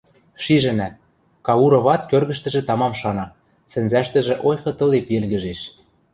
Шижӹнӓ: Кауроват кӧргӹштӹжӹ тамам шана, сӹнзӓштӹжӹ ойхы тылип йӹлгӹжеш.